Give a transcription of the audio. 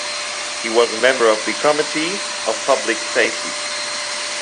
He was a member of the Committee of Public Safety.